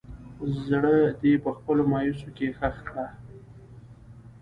زړه دې په خپلو مايوسو کښې ښخ کړه